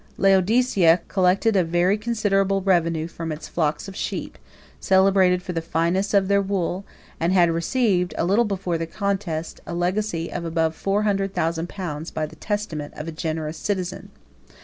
81 Laodicea collected a very considerable revenue from its flocks of sheep, celebrated for the fineness of their wool, and had received, a little before the contest, a legacy of above four hundred thousand pounds by the testament of a generous citizen.